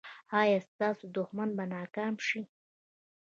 ایا ستاسو دښمن به ناکام شي؟